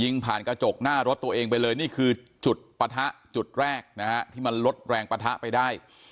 ผ่านกระจกหน้ารถตัวเองไปเลยนี่คือจุดปะทะจุดแรกนะฮะที่มันลดแรงปะทะไปได้